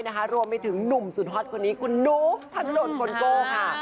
ใช่นะคะรวมไม่ถึงหนุ่มสุดฮอตคนนี้คุณนุภัณฑ์ธนโดรนคนโกค่ะ